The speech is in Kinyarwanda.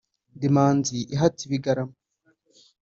Ndi Manzi ihatse ibigarama